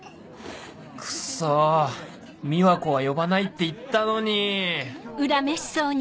クソ美和子は呼ばないって言ったのに！